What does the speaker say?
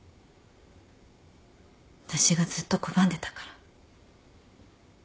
私がずっと拒んでたから。